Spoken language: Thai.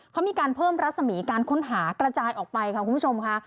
เขามีการเพิ่มรัศมีการค้นหากระจายออกไปค่ะคุณผู้ชมค่ะ